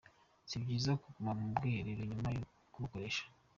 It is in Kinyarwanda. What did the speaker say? Si byiza kuguma mu bwiherero nyuma yo kubukoresha.